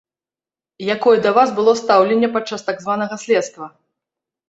Якое да вас было стаўленне падчас так званага следства?